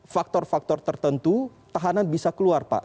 faktor faktor tertentu tahanan bisa keluar pak